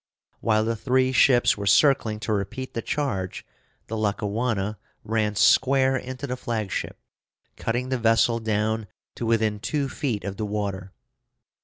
While the three ships were circling to repeat the charge, the Lackawanna ran square into the flagship, cutting the vessel down to within two feet of the water.